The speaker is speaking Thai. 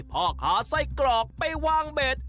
พ่อค้าไส้กรอกไปวางเบ็ด